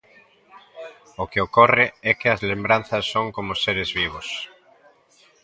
O que ocorre é que as lembranzas son como seres vivos.